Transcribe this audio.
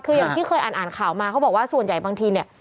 คืออย่างที่เคยอ่านข่าวมาเขาบอกว่าส่วนใหญ่บางทีเนี่ย